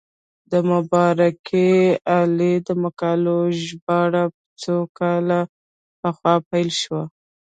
د مبارک علي د مقالو ژباړه څو کاله پخوا پیل شوه.